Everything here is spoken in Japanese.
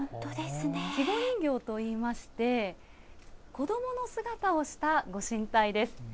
稚児人形といいまして、子どもの姿をした御神体です。